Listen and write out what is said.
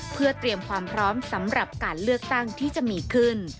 เพื่อเตรียมความพร้อมสำหรับการเลือกตั้งที่จะมีขึ้น